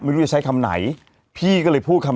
แต่อาจจะส่งมาแต่อาจจะส่งมา